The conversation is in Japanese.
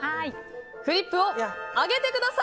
フリップを上げてください。